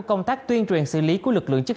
có một trên một mươi người chết